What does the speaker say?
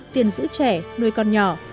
tiền giữ trẻ nuôi con nhỏ